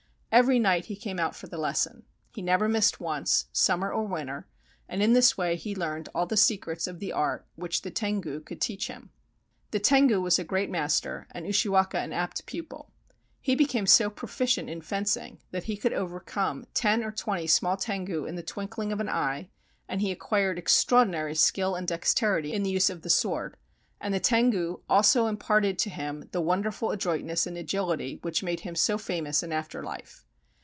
Every night he came out for the lesson. He never missed once, summer or winter, and in this way he learned all the secrets of the art which the Tengu could teach him. The Tengu was a great master and Ushiwaka an apt pupil. He became so proficient in fencing that he could overcome ten or twenty small Tengu in the twinkling of an eye, and he acquired extraordinary skill and dex terity in the use of the sword; and the Tengu also im parted to him the wonderful adroitness and agility which made him so famous in after life.